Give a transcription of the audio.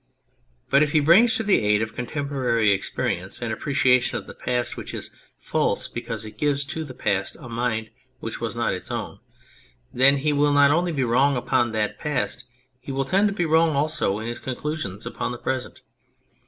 But if he brings to the aid of contemporary experience an appreciation of the past which is false because it gives to the past a mind which was not its own, then he will not only be wrong upon that past, but he will tend to be wrong also in his conclusions upon the present.